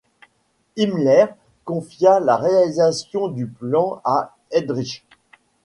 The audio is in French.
Himmler confia la réalisation du plan à Heydrich.